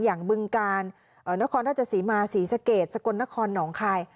อย่างบึงกาลนครทัศน์ศรีมาร์ศรีสเกตสกลนครหนองคาย